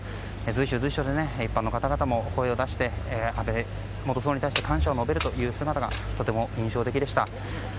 随所随所で一般の方々も声を出して安倍元総理に対して感謝を述べる姿がとても印象的でした。